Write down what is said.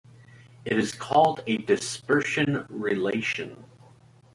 It is called a dispersion relation.